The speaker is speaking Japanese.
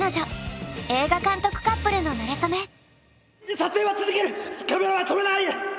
撮影は続けるカメラは止めない！